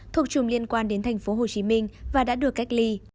thuộc chùm liên quan đến thành phố hồ chí minh và đã được cách ly